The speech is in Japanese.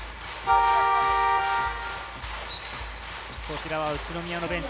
こちらは宇都宮のベンチ。